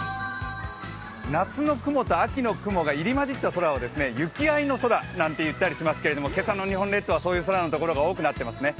夏の雲と秋の雲が入り交じった空をゆきあいの空なんて言ったりしますけれども今朝の日本列島はそういう空の所が多くなってますね。